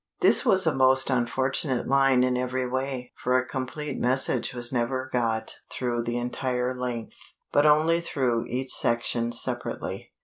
This was a most unfortunate line in every way, for a complete message was never got through the entire length, but only through each section separately.